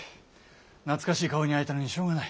懐かしい顔に会えたのにしょうがない。